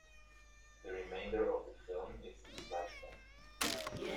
The remainder of the film is his flashback.